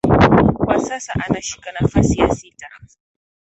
Kwa sasa anashika nafasi ya sita